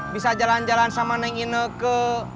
bisa jalan jalan sama neng ineke